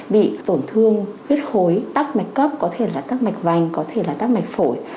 bị tổn thương huyết khối tắc mạch cóc có thể là tắc mạch vành có thể là tắc mạch phổi